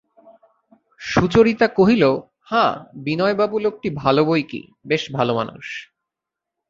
সুচরিতা কহিল, হাঁ, বিনয়বাবু লোকটি ভালো বৈকি– বেশ ভালোমানুষ।